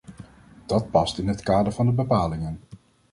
Dat past in het kader van de bepalingen.